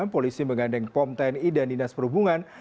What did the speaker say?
polisi mengandeng pom tni dan dinas perhubungan